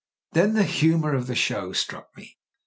Then the humour of the show struck me.